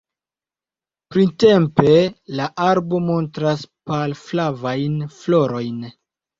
Printempe la arbo montras pal-flavajn florojn.